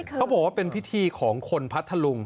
เขาบอกว่าเป็นพิธีของคนพัทธลุง